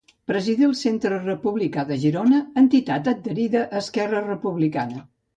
Presidí el Centre Republicà de Girona, entitat adherida a Esquerra Republicana.